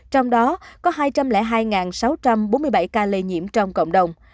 trong đó có hai trăm linh hai sáu trăm bốn mươi bảy ca lây nhiễm trong cộng đồng